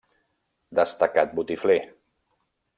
Destacat botifler.